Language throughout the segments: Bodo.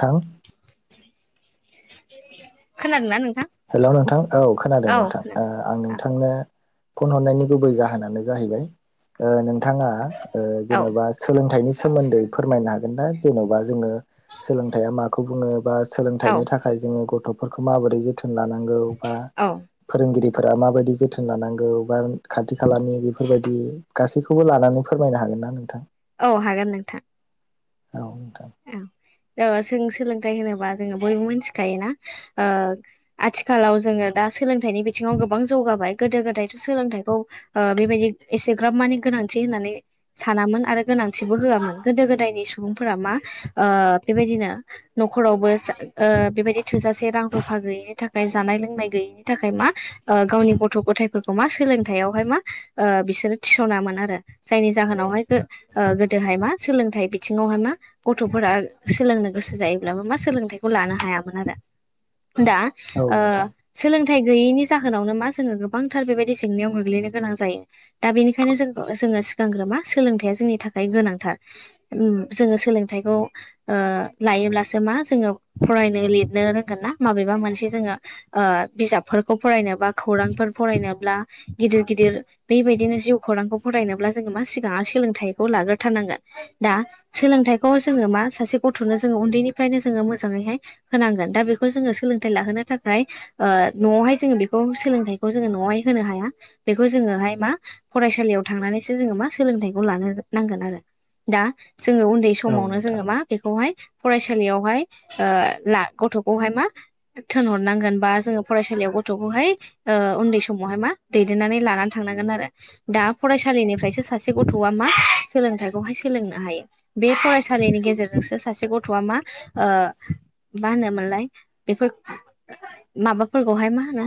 थाउ खानादोना नो हेलौ नोंथां औ खोनादों नोंथां ओ आं औ नोंथांनो फन हरनायनि गुबै जाहोनानो जाहैबाय ओ नों नोंथाङा ओ औ जेन'बा सोलोंथाइनि सोमोन्दै फोरमायनो हागोन ना जेन'बा जोंङो सोलो लोंथाइया माखौ बुंङो बा सोलोंथाइनि थाखाय जोंङो गथ' फोरखौ माबोरै जोथोन लानांगौ बा औ फोरोंगिरिफोरा माबायदि जोथोन लानांगौ बा खाथि खालानि बेफोरबायदि गासैखौबो लानानै फोरमायनो हागोन ना नोंथां औ हागोन नोंथां औ नोंथां औ ओ जों सोलोंथाइ होनोबा जोंङो बयबो मिथिखायोना ओ आथिखालाव जोंङो दा सोलोंथाइनि बिथिङाव गोबां जौगाबाय गोदो गोदायथ' सोलोंथाइखौ ओ बेबायदि एसेग्राब मानि गोनांथि होननानै सानामोन आरो गोनांथिबो होआमोन गोदो गोदायनि सुबुंफोरा मा ओ बेबायदिनो न'खरावबो ओ बेबायदि थोजासे रां रुफा गैयिनि थाखाय जानाय लोंनाय गैयैनि थाखाय मा ओ गावनि गथ' गथाइफोरखौ मा सोलोंथावहाय मा ओ बिसो र थिसनामोन आरो जायनि जाहोनावहाय गोदोहाय मा सोलोंथाइ बिथिंङावहाय मा गथ'फोरा सोलोंनो गोसो जायोब्लाबो मा सोलोंथायाइखौ लानो हायामोन आरो दा औ ओ नोंथां सोलों नाथाय गैयैनि जाहोनावनो मा जोंङो गोबांथार बेबायदि जेंनायाव गोग्लैनो गोनां जायो दा बेनिखायनो जों सिगांग्रो मा सोलोंथाइया जोंनि थाखाय गोनांथार उम जोंङो सोलों थाइखौ लायोब्लासो मा जोंङो फरायनो लिरनो रोंगोन ना माबेबा मोनसे जोंङो ओ बिजाबफोरखौ फरायनो बा खौरां फरायनोब्ला गिदिर गिदिर बेबायदिनो जिउखौरांखौ फरायनोब्ला जोंङो मा सिगांङ सोलोंथाइखौ लाग्रोथारनांगोन दा सोलोंथ खौ जोंङो मा सासे गथ'नो जोंङो उन्दैनिफ्रायनो जोंङो मोजांङैहाय होनांगोन दा बेखौ जोंङो सोलोंथाइ लाहोनो थाखाय ओ न'आवहाय जोंङो बेखौ सोलोंथाइखौ जोंङो न'आवहाय होनो हाया बेखौ जोंङोहाय मा फरायसालियाव थांनानैसो जोङो मा सोलोंथाइखौ लानो नांगोन आरो दा जोङो उन्दै औ समावनो नोंथां जोङो मा बेखौहाय फरायसालियावहाय ओ ला गथ'खौहाय मा थिनहरनांगोन बा जोङो फरायसालियाव गथ'खौहाय ओ उन्दै समावहाय मा दैदेननानै लानानै थांनांगोन आरो दा फरायसालिनिफ्राय सासे गथ'आ मा सोलोंथाइखौहाय सोलोंनो हायो बे फराय फरायसालिनि गेजेरजोंसो सासे गथ'वआ मा ओ मा होनोमोनलाय बेफोर माबाफोरखौहाय मा होनो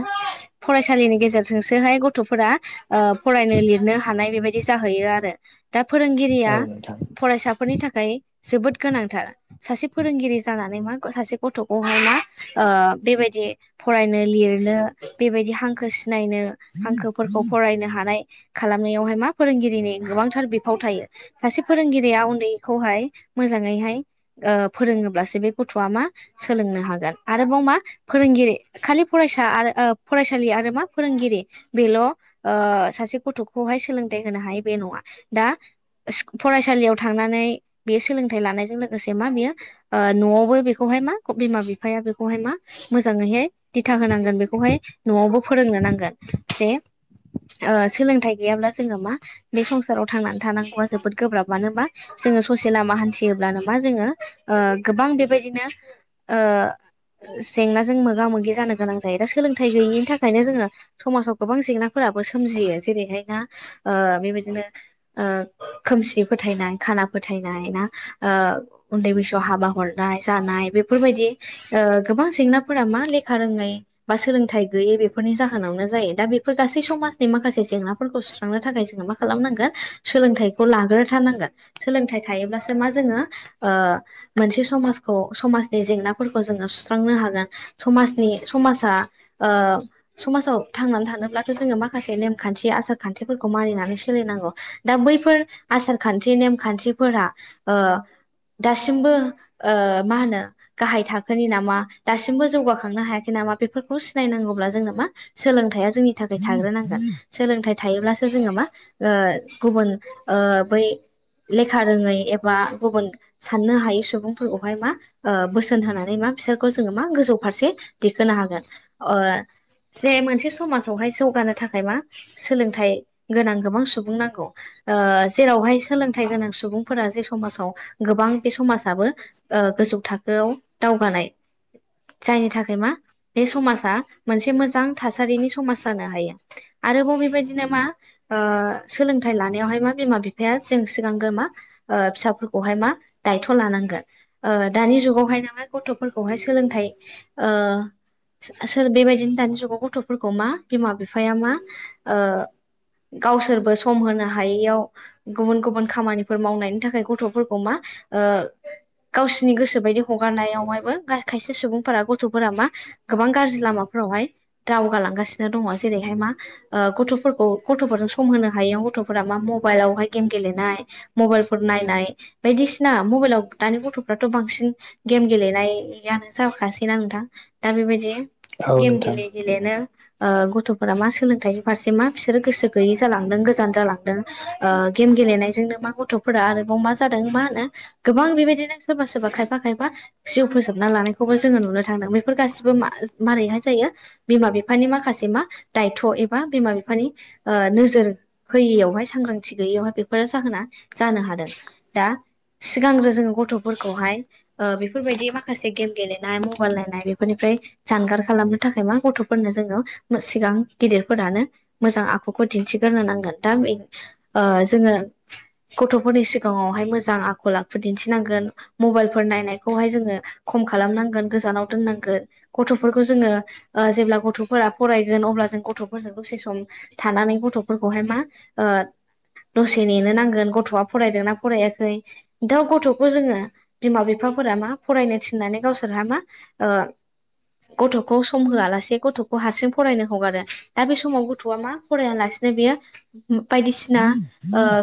फरायसालिनि गेज गेजेरजोंसोहाय गथ'फोरा ओ फरायनो लिरनो हानाय बेबायदि जाहैयो आरो दा फोरोंगिरिया औ नोंथां फरायसाफोरनि थाखाय जोबोद गोनांथार सासे फोरोंगिरि जानानै मा सासे गथ'खौहाय मा बेबायदि फरायनो लिरनो बेबायदि हांखो सिनायनो हांखोफोरखौ फरायनो हानाय खालामनायावहाय मा फोरोंगिरिनि गोबांथार बिफाव थायो सासे फोरोंगिरिया उन्दैखौहाय मोजाङैहाय फोरोङोब्लासो बे गथ'आ मा सोलोंनो हागोन आरोबाव मा फोरों फोंरगिरि खालि फरायसा आरो फरायसालि आरो मा फोरोंगिरि बेल' ओ सासे ग थ'खौहाय सोलोंथाइ होनो हायो बे नङा। दा फरायसालियाव थांनानै बे सोलोंथाइ लानायजों लोगोसे मा बेयो न'आवबो बेखौहाय मा बिमा बिफाया बेखौहाय मा मोजाङैहाय दिथा होनांगोन बेखौहाय न'आवबो फोरोंनो नांगोन जे सोलोंथाइ गैयाब्ला जोङो मा बे संसाराव थांनानै थानांगौआ जोबोद गोब्राब मानो होनबा जोङो ससे लामा हान्थियोब्लानो मा जोङो गोबां बेबायदिनो जेंनाजों मोगा मोगि जानो गोनां जायो दा सोलोंथाइ गैयिनि थाखायनो जोङो समाजाव गोबां जेंनाफोर फोराबो सोमजियो जेरैहायना ओ बेबायदिनो ओ खोमसि फोथायनाय खाना फोथायनाय ना उन्दै बैसोआव हाबा हरनाय जानाय बेफोरबायदि गोबां जेंनाफोरा मा लेखा रोङै बा सोलोंथाइ गैयै बेफोरनि जाहोनावनो जायो दा बेफोर गासै समाज नि माखासे जेंनाफोरखौ सुस्रांनो थाखाय जोङो मा खालामनांगोन सोलोंथाइखौ लाग्रो थानांगोन सोलोंथाइ थायोब्लासो मा जोङो मोनसे समाजखौ समाजनि जेंनाफोरखौ जोङो सुस्रांनो हागोन समाजनि समाजा समाजाव थांनानै थानोब्लाथ' जोङो माखासे नेमखान्थि आसरखान्थिफोरखौ मानिनानै सोलिनांगौ दा बैफोर आसारखान्थि ने खान्थि्रिफोरा दासिमबो मा होनो गाहाय थाखोनि नामा दासिमबो जौगाखांनो हायाखै नामा। बे सिनायनांगौब्ला जों मा सोलों जोंनि थाखाय थाग्रोनांगोन थायोब्लासो जोङो मा गुबुन बै लेखा रोङै एबा गुबुन साननो हायै सुबुंफोरखौहाय मा बोसोन होनानै मा फ खौ जोङो मा गोजौ फारसे दखोनो हागोन अ जे मोनसे समाजावहाय जौगानो थाखाय मा सोलोंथाइ गोनां गोबां सुबुं नांगौ जेरावहाय सोलों थाय गोनां सुबुंफोरा जे समाजाव गोबां बे समाजाबो गोजौ थाखोआव दावगानो जायनि थाखाय मा बे समाजा मोनसे मोजां थासारिनि समाज जानो हायो आरोबाव बेबायदिनो मा ओ सोलोंथाइ लानायावहाय मा बिमा बिफाया जों सिगांगो मा फिसाफोरखौहाय मा दायथ' लानांगोन दानि जुगावहाय नामा गथ'फोरखौहाय सोलोंथाइ सोर बेबायदिनो दानि जुगाव गथ'फोरखौ मा बिमा बिफाया मा गावसोरबो सम होनो हायियाव गुबुन गुबुन खामानिफोर मावनायनि थाखाय गथ'फोरखौ मा गावसिोरनि गोसो बायदि हगारनायावहायबो खायसे सुबुंफोरा गथ'फोरा मा गोबां गाज्रि लामाखौ रावहाय दावगालांगासिनो दङ जेरैहाय मा गथ'फोरखौ गथ'जों सम होनो हायो गथ'फोरा मा मबाइलावहाय गेम गेलेनाय मबाइलफोर नायनाय बायदिसिना मबाइलाव दानि गथ'फ्राथ' बांसिन गेम गेलेनायानो जाखासैना नोंथां दा बेबायदि औ गेम नोंथां गेलले गेलले नो गथ'फोरा मा सोलोंथाइनि फारसे मा बिसोरो गोसो गैयै जालांदों गोजान जालांदों गेम गेलेनायजोंनो मा गथ'फोरा आरोबाव मा जादों मा होनो गोबां बेबायदिनो सोरबा सोरबा खायफा खायफा जिउ फोसोबना लानायखौबो जोङो नुनो थांदों बेफोर गासिबो मारैहाय जायो बिमा बिफानि माखासे मा दायथ' एबा बिमा बिफानि नोजोर होयैयावहाय सांग्रांथि गैयैयावहाय बेफोरो जाहोना जानो हादों सिगांग्रो जोङो गथ'फोरखौहाय बेफोरबायदि माखासे गेम गेलेनाय मबाइल नायनाय बेफोरनिफ्राय जानगार खालामनो थाखाय मा गथ'फोरनो जोङो सिगां गिदिरफोरानो मोजां आखुखौ दिन्थिग्रोनो नांगोन दा जोङो गथ'फोरनि सिगाङावहाय मोजां आखल आखु दिन्थिनांगोन मबाइलफोर नायनायखौहाय जोङो खम खालामनांगोन गोजानाव दोननांगोन गथ'फोरखौ जोङो जेब्ला गथ'फोरा फरायगोन अब्ला जों गथ'फोरजों दसे सम थानानै गथ'फोरखौहाय मा दसे नेनो नांगोन गथ'आ फरायदोंना फरायाखै दा गथ'खौ जोङो बिमा बिफा मा फरायनो थिननानै गावसोरहा मा गथ'खौ सम होआलासे गथ'खौ हारसिं फरायनो हगारो दा बे समाव गथ'आ मा फरायालासे बायदिसिना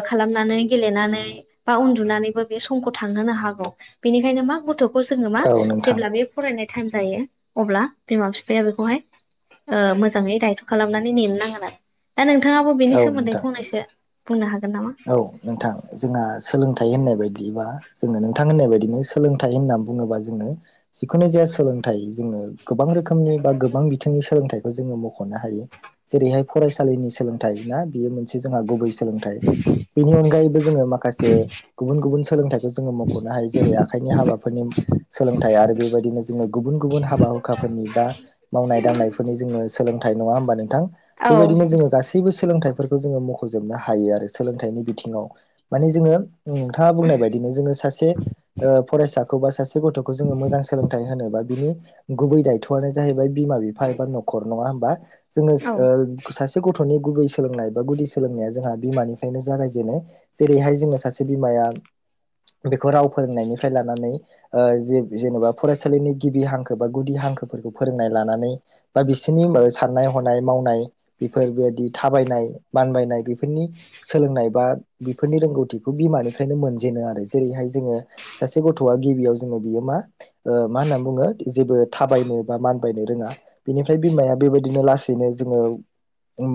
खालाम मेंनानै बा उन्दुनानैबो बे समखौ थांहोनो हागौ बेनिखायनो मा गथ' जोङो मा औ नोंथां जेब्ला बे फरायनाय टाइम जायो अब्ला बिमा बिफाया बेखौहाय मोजाङै दायथ' खालामनानै नेनो नागोन आरो। दा नोंथाङाबो बेनि औ सोमोन्दै नोंथां फंनैसो बुंनो हागोन। नामा? औ नोंथां जोंहा सोलोंथाइ होननाय बायदि बिदिबा जोङो नोंथां होननाय बायदिनो सोलोंथाइ होनना बुङोबा जोङो जिखुनु जाया सोलोंथाइ जोङो। गोबां रोखोमनि बा गोबां बिथिंनि सोलोंथाइ जोङो मख'नो हायो जेरैहाय फरायसालिनि सोलोंथाइ ना बेयो मोनसे जोंहा गुबै सोलोंथाइ बेनि अनगायैबो जोङो माखासे गुबुन गुबुन सोलोंथाइखौ जोङो मख'नो हायो जेरै आखाइनि हाबाफारि सोलोंथाइ आरो बेबायदिनो जोङो गुबुन गुबुन हाबा हुखाफोरनि बा मावनाय दांनायफोरनि ज सोलोंथाइ नङा होनबा नोंथां औ बेबायदिनो जोङो गासैबो सोलोंथाइ बेफोरखौ जोङो मख'जोबनो हायो आरो सोलोंथाइनि बिथिङाव माने जोङो नोंथाङा बुंनाय बायदिनो जोङो सासे फरायसाखौ बा सासे गथ'खौ जोङो मोजां सोलोंथाइ होनो बा बिनि गुबै दायथ'आनो जाहैबाय बिमा बिफा एबा न'खर नङा होमबा जोङो औ सासे गथ'नि गुबै सोलोंनाय बा गुदि सोलोंनाया जोंहा बिमानि नो जागायजेनाय जेरैहाय जोङो सासे बिमाया बेखौ राव फोरोंनायनिफ्राय लानानै जे जेनेबा फरायसालिनि गिबि हांखो बा गुदि हांखो। हांखोफोरखौ फोरोंनाय लानानै बा बिसोरनि साननाय हनाय मावनाय बेफोर बेदि थाबाय। नाय मानबायनाय बेफोरनि सोलोंनाय बा बेफोरनि रोंगौथिखौ बिमानिफ्रायनो मोनजेनो आरो जेरैहाय जोङो सासे गथ'आ गिबियाव जोङो बियो मा मा होननानै बुङो जेबो थाबायनो बा मानबायनो रोङा बेनि बिमाया बेबायदिनो लासैनो जोङो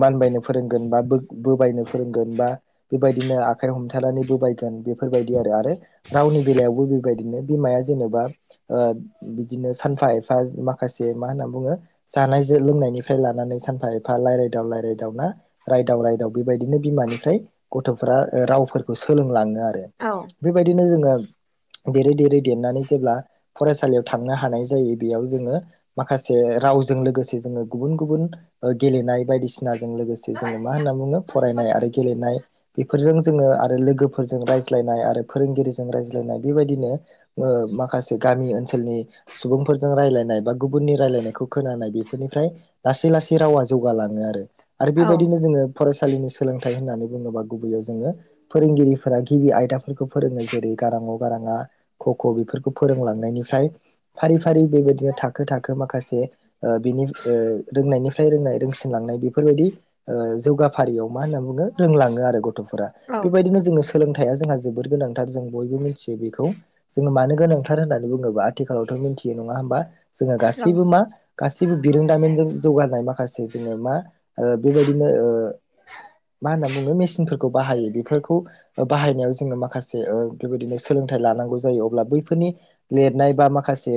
मानबायनो फोरोंगोन बा थाबायनो फोरोंगोन। बा बेबायदिनो आखाइ हमथानानैबो थाबायगोन बेफोरबायदि आरो आरो रावनि बेलायावबो बेबायदि बिनो बिमाया जेनेबा बिदिनो सानफा एफा माखासे मा होनना बुङो। जानाय लोंनायनिफ्राय लानानै सानफा एफा राय्लायदाव रायलायदाव ना रायदाव रायदाव बेबायदिनो बिमानिफ्राय गथ'फोरा रावफोरखौ सोलोंलाङो आरो औ बेबायदिनो जोङो देरै देरै देरनानै जेब्ला फरायसालियाव थांनो हानाय जायो बेयाव जोङो माखासे राव लोगोसे जोङो गुबुन गुबुन गेलेनाय बायदिसिनाजों लोगोसे जोङो मा होनना बुङो फरायनाय गेलेनाय बेफोरजों जोङो आरो लोगोफोरजों रायज्लायनाय आरो फोरोंगिरिजों रायज्लायनाय बेबायदिनो माखासे गामि ओनसोलनि सुबुंफोरजों राय्लायनाय बा गुबुननि रायलायनायखौ खोन बेफोरनिफ्राय लासै लासै रावा जौगालाङो आरो औ बेबायदिनो जोङो फरायसालिनि सोलोंथाइ होननानै बुङोबा गुबैयाव जोङो फोरोंगिरिफोरा गिबि आयदाफोरखौ फोरोङो जेरै गारांअ गारांआ क ख' बेफोरखौ फोरोंलांनायनिफ्राय फारि फारि बेबायदिनो थाखो थाखो माखासे बिनि रोंनायनिफ्राय रोंनाय रोंसिनलांनाय बेफोरबायदि जौगाफारियाव मा होनना बुङो रोंलाङो आरो गथफोरा औ बेबायदिनो जों। सोलोंथाइया जोंहा जोबोद गोनांथार जों बयबो मिनथियो बेखौ जोङो मानो गोनांथार होननानै बुङोबा आथिखालावथ मिथियो नङा होमबा जोङो गासैबो मा गासै बिरोंदामिनजों जौगानाय माखासे जोङो मा बेबायदिनो मा होनना बुङो मेसिनफोरखौ बाहायो बेफोरखौ बाहायनायाव जोङो माखासेओ बेबायदिनो सो सोलोंथाइ लानांगौ जायो अब्ला बैफोरनि लेरनाय बा माखासे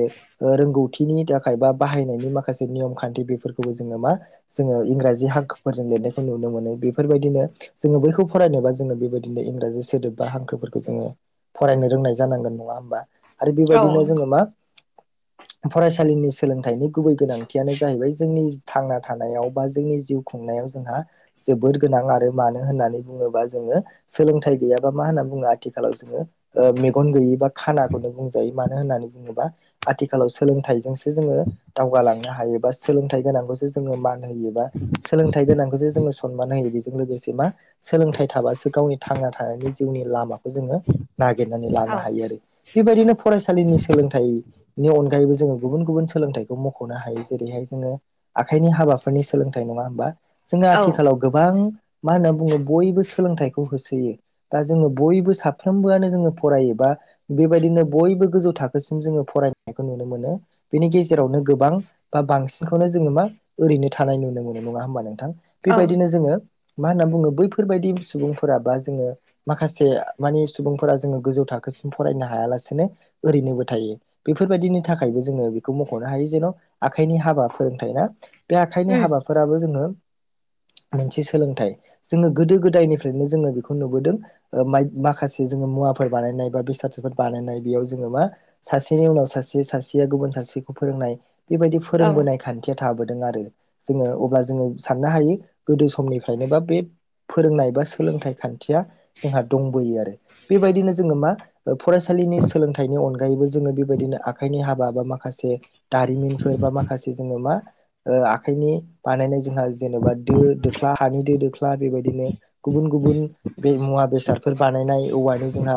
रोंगौथिनि थाखाय बा बाहाय नायनि माखासे नियम खान्थि बिफोरखौबो जोङो मा जोङो इंराजिज हांखोफोरजों लिरनायखौ नुनो मोनो। बेफोरबायदिनो जोङो बैखौ फरायनोबा जोङो बेबायदिनो इंराजि सोदोब बा हांखोफोरखौ जोङो। फरायनो रोंनाय जानांगोन नङा होमबा आरो औ बेबायदिनो जोङो मा? फरायसालिनि सोलोंथाइनि गुबै गोनांथियानो जाहैबाय जोंनि थांना थानायाव बा जोंनि जिउ खुंनाय नायाव जोंहा जोबोर‌ गोनां आरो मानो होननानै बुङोबा जोङो सोंलोंथाय गैयाबा मा होननानै बुङो आथिखालाव जोङो ओ मेगन गैयै बा खानाखौनो बुंजायो मानो होननानै बुङोबा आथिखालाव सोलोंथाइजोंसो जोङो दावगालांनो हायो बा सोलोंथाय गोनांखौसो जोङो मान होयो बा सोलोंथाय गोनांखौसो जों सनमान होयो। बेजों लोगोसे मा सोलोंथाइ थाबासो गावनि थांना थानायनि जिउनि लामाखौ जोङो नागिरनानै औ लानो हायो आरो बेबायदिनो फरायसालिनि सोलोंथाइनि अनगायैबो जोङो गुबुन गुबुन सोलोंथाइखौ मखनो हायो जेरैहाय जोङो आखाइनि हाबाफोरनि सोलोंथाइ नङा होमबा जोङो आथिखालाव गो बां मा होनना बुङो बयबो सोलोंथाइखौ होसोयो बा जोङो बयबो साफ्रोमबोआनो जोङो फरायोबा बेबायदिनो बयबो गोजौ थाखोसिम जोङो फरायनायखौ नुनो मोनो बेनि गेजेरावनो गोबां बा बांसिनखौनो जोङो मा ओरैनो थानाय नुनो मोनो नङा होमबा नोंथां? औ बेबायदिनो जोङो मा होनना बुङो बैफोरबायाददि सुबुंफोरा बा जोङो माखासे मानि सुबुंफोरा जोङो गोजौ थाखोसिम फरायनो हायालासेनो ओरैनोबो थायो बेफोरबायदिनि थाखायबो जोङो बेखौ मखनो हायो जेन आखाइनि हाबा फोरोंथाय ना बे आखाइनि उम हाबाफोराबो जोङो मोनसे सोलोंथाइ जोङो गोदो गोदायनिफ्रायनो जोङो बेखौ नुबोदों मान माखासे जोङो मुवा फोर बानायनाय बा बेसाद फोर बानायनाय बेयाव जोङो मा सासेनि उनाव सासे सासेया गुबुन सासेखौ फोर फोरोंनाय बेबायदि औ फोरोंबोनाय खान्थिया थाबोदों आरो जोङो अब्ला जोङो साननो हायो गोदो समनिफ्रायनोबा बे फोरोंनाय बा सोलोंथाइ खान्थिया जोंहा दंबोयो आरो बेबायदिनो जोङो मा ओ फरायसालि नि सोलोंथाइनि अनगायैबो जोङो बेबायदिनो आखाइनि हाबा बा माखासे जारिमिनफोर बा माखासे जोङो मा ओ आखाइनि बानायनाय जोंहा जेनेबा दो दोख्ला हानि दो दोख्ला बेबायदिनो गुबुन गुबुन बे मुवा बेसादफोर बानायनाय औ बाथाय जोंना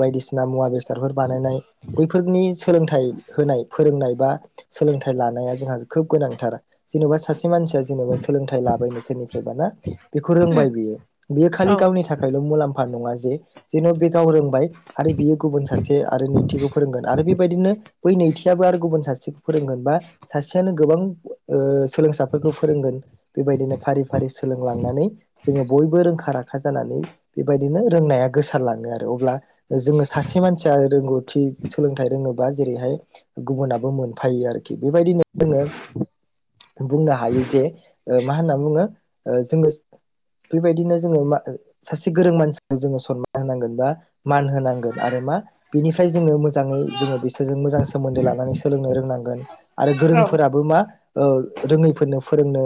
बायदिसिना मुवा बेसादफोर बानायनाय बैफोरनि सोलोंथाइ होनाय फोरोंनाय बा सोलोंथाइ लानाया जोंहा खोब गोनांथार जेनबा सासे मानसिया जेनेबा सोलोंथाइ लानो [unintelligible] सोरनिफ्राइबा रोंबाय ना बेखो उम रोंबाय बेयो खालि गावनि थाखायल मुलाम फा नङा जे जेन बे गाव रोंबाय आरो बियो गुबुन सासे आरो नैथिखौ फोरोंगोन आरो बेबायदिनो बै नैथियाबो आरो गुबुन सासेखौ फोरोंगोन बा सासेयानो गोबां ओ सोलोंसाफोरखौ फोरों गोन बेबायदिनो फारि फारि सोलोंलांनानै जोङो बयबो रोंखा राखा जानानै बेबायदिनो रोंनाया गोसारलाङो आरो अब्ला जोङो सासे मानसिया रोंगौथि सोलोंथाइ रोङोबा जेरैहाय गुबुनाबो मोनफायो आरोखि बेबायदिनो जोङो बुंनो हायो जे ओ मा होनना बुङो ओ जोङो बैबायदिनो जोङो मा‌ ओ सासे गोरों मानसिखौ जोङो सनमान होनांगोन बा मान होनांगोन आरो मा बिनिफ्राय जोङो मोजाङै जोङो बिसोरजों मोजां सोमोन्दो लानानै सोलोंनो रोंनांगोन आरो औ गोरोंफोराबो मा ओ रोङैफोरनो फोरोंनो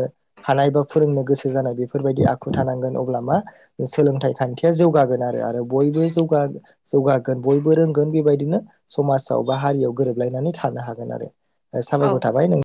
हानाय बा फोरोंनो गोसो जानाय बेफोरबायदि आखु थानांगोन अब्ला मा सोलोंथाइ खान्थिया जौगागोन आरो आरो बयबो जौगा जोगागोन बयबो रोंगोन बेबायदिनो समाजाव बा हारियाव गोरोबलायनाय नानै थानो हागोन आरो साबायखर औ थाबाय नों